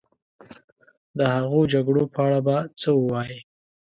د هغو جګړو په اړه به څه ووایې.